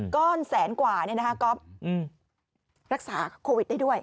ก้อนแสนกว่าก๊อฟรักษาโควิดได้ด้วย